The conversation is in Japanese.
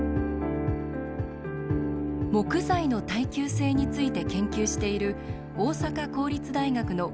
木材の耐久性について研究している、大阪公立大学の